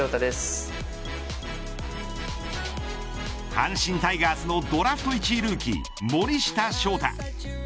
阪神タイガースのドラフト１位ルーキー森下翔太。